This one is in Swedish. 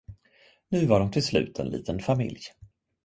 Nu var de till slut en liten familj.